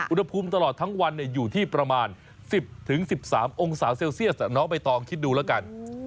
อุณหภูมิตลอดทั้งวันอยู่ที่ประมาณ๑๐๑๓องศาเซลเซียสน้องใบตองคิดดูแล้วกัน